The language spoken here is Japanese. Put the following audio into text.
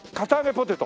ポテト。